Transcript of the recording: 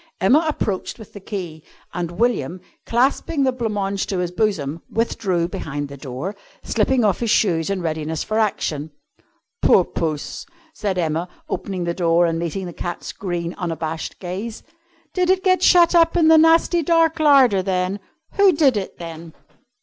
Emma approached with the key, and William, clasping the blanc mange to his bosom, withdrew behind the door, slipping off his shoes in readiness for action. "Poor Puss!" said Emma, opening the door and meeting the cat's green, unabashed gaze. "Did it get shut up in the nasty dark larder, then? Who did it, then?"